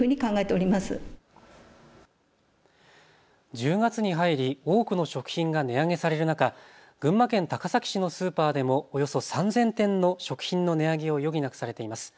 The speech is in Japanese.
１０月に入り多くの食品が値上げされる中、群馬県高崎市のスーパーでもおよそ３０００点の食品の値上げを余儀なくされています。